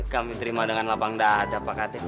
kami terima dengan lapang dada pak kades